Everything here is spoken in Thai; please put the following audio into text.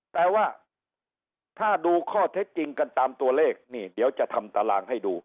แต่ว่าถ้าดูข้อเท็จจริงกันตามตัวเลขนี่เดี๋ยวจะทำตารางให้ดู